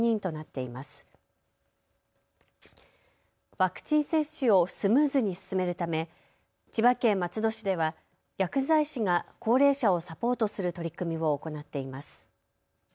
ワクチン接種をスムーズに進めるため、千葉県松戸市では薬剤師が高齢者をサポートする取り組みを行っています。